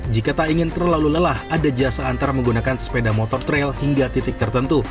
jika tak ingin terlalu lelah ada jasa antar menggunakan sepeda motor trail hingga titik tertentu